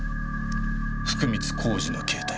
福光公次の携帯。